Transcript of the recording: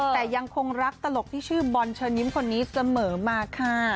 แต่ยังคงรักตลกที่ชื่อบอลเชิญยิ้มคนนี้เสมอมาค่ะ